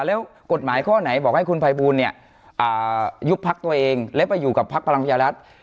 แล้วกฎหมายข้อไหนบอกให้คุณภัยบูลเนี่ยยุบพักตัวเองและไปอยู่กับพักพลังประชารัฐ